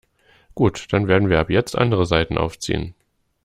Gut, dann werden wir ab jetzt andere Saiten aufziehen.